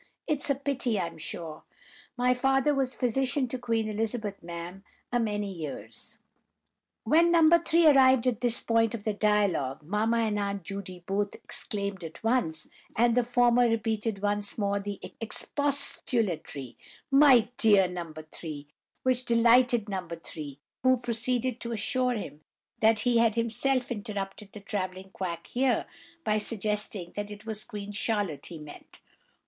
It's a pity, I'm sure.' "'My father was physician to Queen Elizabeth, ma'am, a many years.'" When No. 3 arrived at this point of the dialogue, mamma and Aunt Judy both exclaimed at once, and the former repeated once more the expostulatory "My dear No. 3!" which delighted No. 3, who proceeded to assure them that he had himself interrupted the travelling quack here, by suggesting that it was Queen Charlotte he meant.